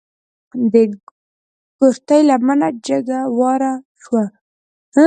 د کورتۍ لمنه جګه واره شوه.